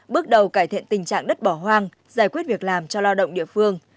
bước đầu cải thiện tình trạng đất bỏ hoang giải quyết việc làm cho lao động địa phương